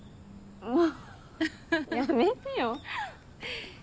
もやめてよ。